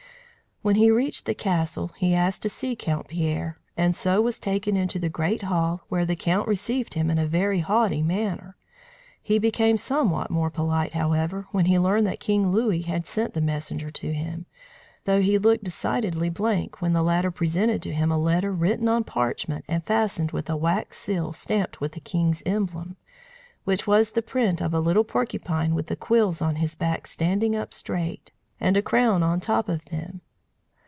When he reached the castle, he asked to see Count Pierre, and so was taken into the great hall, where the count received him in a very haughty manner. He became somewhat more polite, however, when he learned that King Louis had sent the messenger to him; though he looked decidedly blank when the latter presented to him a letter written on parchment and fastened with a wax seal stamped with the king's emblem, which was the print of a little porcupine with the quills on his back standing up straight, and a crown on top of them.